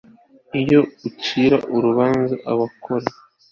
iyo ucira urubanza abakora